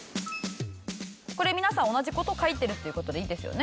これ皆さん同じ事を描いてるっていう事でいいですよね？